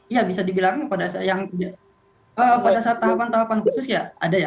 iya bisa dibilang pada saat tahapan tahapan khusus ya ada ya